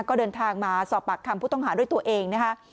ก็เดินทางมาสอบปากคำผู้ต้องหาด้วยตัวเองนะคะ